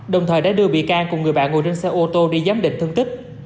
đồng thời đã đưa bị can cùng người bạn ngồi trên xe ô tô đi giám định thương tích